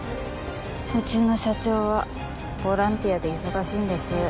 うちの社長はボランティアで忙しいんです。